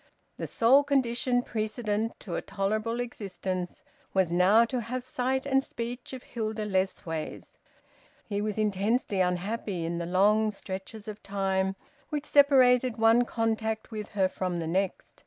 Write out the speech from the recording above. The sole condition precedent to a tolerable existence was now to have sight and speech of Hilda Lessways. He was intensely unhappy in the long stretches of time which separated one contact with her from the next.